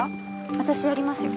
私やりますよ。